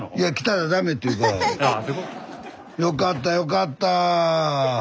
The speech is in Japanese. よかったよかった。